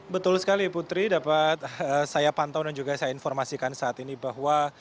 betul sekali putri dapat saya pantau dan juga saya informasikan saat ini bahwa